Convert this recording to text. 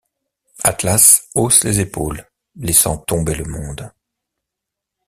Atlas hausse les épaules, laissant tomber le monde.